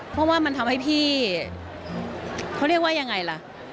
เพราะว่ามันทำให้พี่เขาเรียกว่ายังไงล่ะ